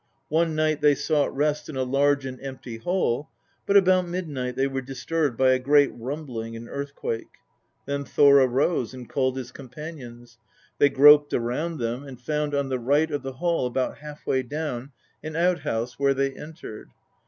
One night they sought rest in a large and empty hall , but about midnight they were disturbed by a great rumbling and earthquake. " Then Thor arose, and called his com panions. They groped around them, and found on the right of the hall about half way down an outhouse, where they entered.